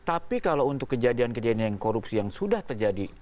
tapi kalau untuk kejadian kejadian yang korupsi yang sudah terjadi